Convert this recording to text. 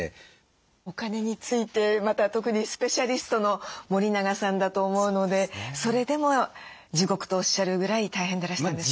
お金についてまた特にスペシャリストの森永さんだと思うのでそれでも地獄とおっしゃるぐらい大変でらしたんですね。